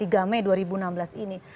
tiga mei dua ribu enam belas ini